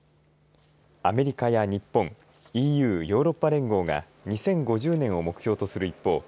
アメリカや日本ＥＵ＝ヨーロッパ連合が２０５０年を目標とする一方